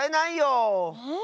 え。